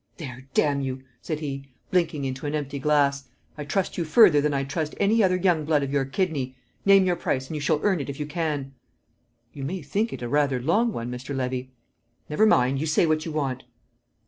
"There, damn you!" said he, blinking into an empty glass. "I trust you further than I'd trust any other young blood of your kidney; name your price, and you shall earn it if you can." "You may think it a rather long one, Mr. Levy." "Never mind; you say what you want."